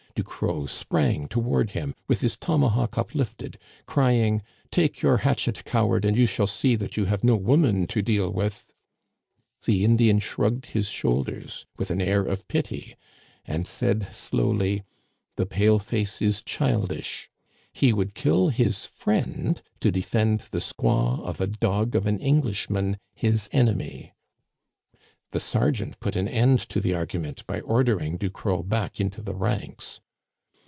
Ducros sprang toward him with his tomahawk uplifted, crying :* Take your hatchet, coward, and you shall see that you have no woman to deal with !' The Indian shrugged his shoulders with an air of pity, and said slowly ;* The pale face is childish ; he would kill his friend to defend the squaw of a dog of an Englishman, his enemy.' The sergeant put an end to the argument by ordering Ducros back into the ranks.